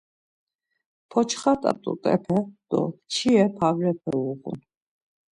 Poçxot̆a t̆ot̆epe do mçire pavrepe uğun.